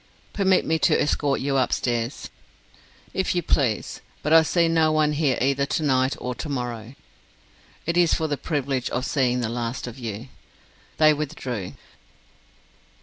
"Permit me to escort you upstairs." "If you please: but I see no one here either to night or tomorrow." "It is for the privilege of seeing the last of you." They withdrew.